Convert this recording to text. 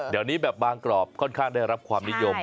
เดี๋ยวนี้แบบบางกรอบค่อนข้างได้รับความนิยม